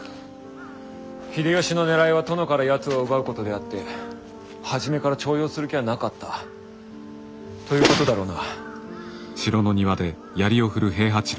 秀吉のねらいは殿からやつを奪うことであって初めから重用する気はなかったということだろうな。